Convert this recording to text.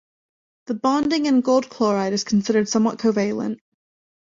The bonding in AuCl is considered somewhat covalent.